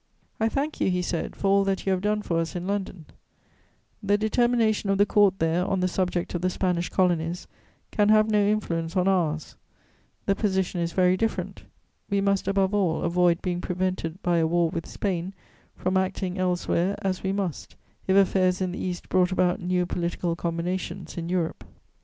"I thank you," he said, "for all that you have done for us in London; the determination of the Court there on the subject of the Spanish Colonies can have no influence on ours; the position is very different; we must above all avoid being prevented by a war with Spain from acting elsewhere, as we must, if affairs in the East brought about new political combinations in Europe.